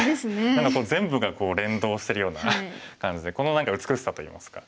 何か全部が連動してるような感じでこの何か美しさといいますか。